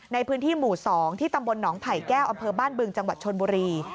ในพื้นที่หมู่๒ที่ตำบลหนองไผ่แก้วอำเภอบ้านบึงจังหวัดชนบุรี